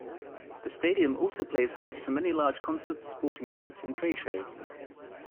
The stadium also plays host to many large concerts, sporting events, and trade shows.